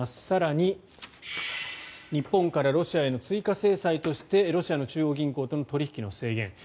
更に日本からロシアへの追加制裁としてロシアの中央銀行との取引の制限